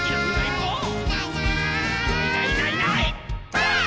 ばあっ！